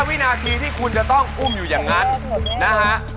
วินาทีที่คุณจะต้องอุ้มอยู่อย่างนั้นนะฮะ